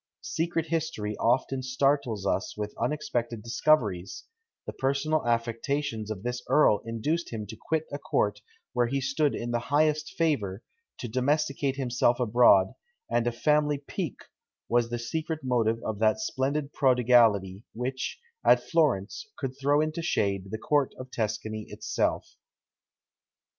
Secret history often startles us with unexpected discoveries: the personal affectations of this earl induced him to quit a court where he stood in the highest favour, to domesticate himself abroad; and a family pique was the secret motive of that splendid prodigality which, at Florence, could throw into shade the court of Tuscany itself.